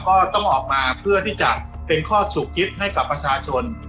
ก็ต้องออกมาเพื่อที่จะเป็นข้อสุขยึดให้กับประชาชน